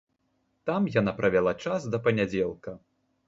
Там яна правяла час да панядзелка.